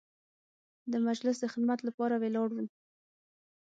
د مجلس د خدمت لپاره ولاړ وو.